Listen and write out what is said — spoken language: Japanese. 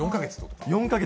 ４か月？